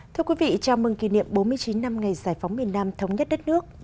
thưa quý vị chào mừng kỷ niệm bốn mươi chín năm ngày giải phóng miền nam thống nhất đất nước